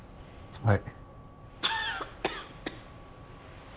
はい。